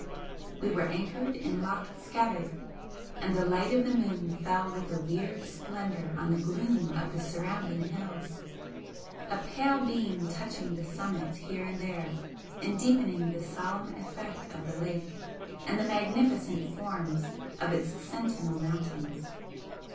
We were anchored in Loch Scavaig and the light of the moon fell with a weird splendour on the gloom of the surrounding hills, a pale beam touching the summits here and there and deepening the solemn effect of the lake and the magnificent forms of its sentinel mountains.